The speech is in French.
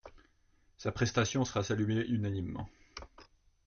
Sa prestation sera saluée unanimement.